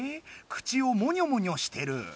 口をモニョモニョしてる！